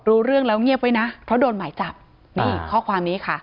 รู้เรื่องแล้วเงียบไว้นะเพราะโดนหมายจับนี่ข้อความนี้ค่ะ